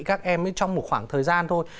các em trong một khoảng thời gian thôi